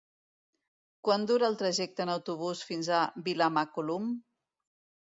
Quant dura el trajecte en autobús fins a Vilamacolum?